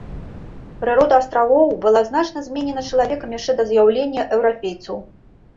Прырода астравоў была значна зменена чалавекам яшчэ да з'яўлення еўрапейцаў.